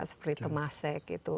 seperti temasek itu